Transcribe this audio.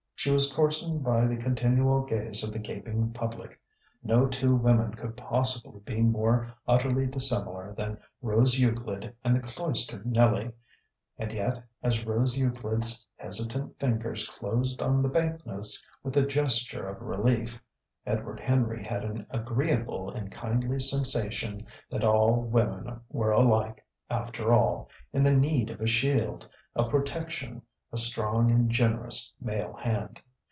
She was coarsened by the continual gaze of the gaping public. No two women could possibly be more utterly dissimilar than Rose Euclid and the cloistered Nellie.... And yet, as Rose Euclid's hesitant fingers closed on the bank notes with a gesture of relief, Edward Henry had an agreeable and kindly sensation that all women were alike, after all, in the need of a shield, a protection, a strong and generous male hand.